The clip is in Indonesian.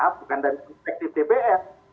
bukan dari perspektif dpr